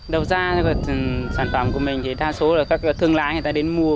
đầu ra cho quả thanh long ruột đỏ vẫn do thương lái các nơi đến mua